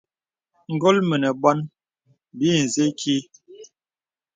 Ngól mə nə bônə bì nzə īkí.